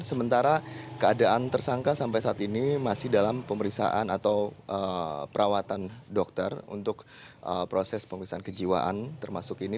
sementara keadaan tersangka sampai saat ini masih dalam pemeriksaan atau perawatan dokter untuk proses pemeriksaan kejiwaan termasuk ini